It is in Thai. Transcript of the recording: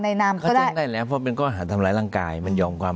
ในนำก็ได้แจ้งได้แล้วเพราะเป็นข้ออาหารทำร้ายร่างกาย